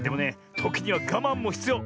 ときにはがまんもひつよう！